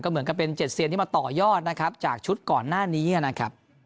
เหมือนกับเป็นเจ็ดเซียนที่มาต่อยอดนะครับจากชุดก่อนหน้านี้นะครับ